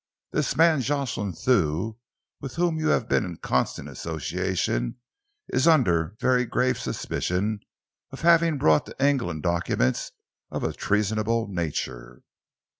This man Jocelyn Thew, with whom you have been in constant association, is under very grave suspicion of having brought to England documents of a treasonable nature."